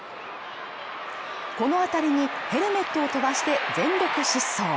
このあたりにヘルメットを飛ばして全力疾走。